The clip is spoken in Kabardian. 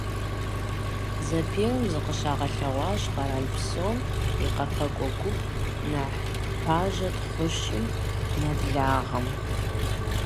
Зэпеуэм зыкъыщагъэлъэгъуащ къэрал псом и къэфакӏуэ гуп нэхъ пажэ тхущӏым нэблагъэм.